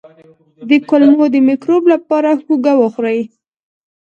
د کولمو د مکروب لپاره هوږه وخورئ